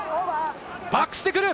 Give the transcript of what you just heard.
バックスでくる。